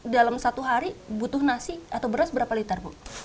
dalam satu hari butuh beras atau nasi berapa liter